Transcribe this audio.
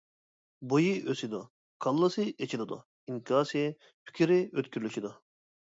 بويى ئۆسىدۇ، كاللىسى ئېچىلىدۇ، ئىنكاسى، پىكرى ئۆتكۈرلىشىدۇ.